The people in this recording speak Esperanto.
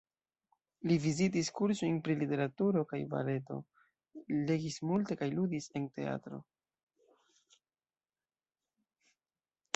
Li vizitis kursojn pri literaturo kaj baleto, legis multe kaj ludis en teatro.